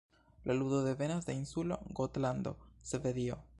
La ludo devenas de insulo Gotlando, Svedio.